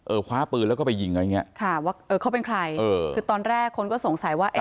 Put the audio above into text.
คว้าปืนแล้วก็ไปยิงอะไรอย่างเงี้ยค่ะว่าเออเขาเป็นใครเออคือตอนแรกคนก็สงสัยว่าเอ๊ะ